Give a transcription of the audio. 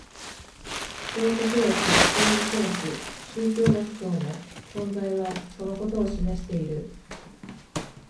道徳学、芸術学、宗教学等の存在はそのことを示している。